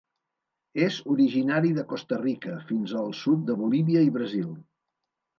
És originari de Costa Rica fins al sud de Bolívia i Brasil.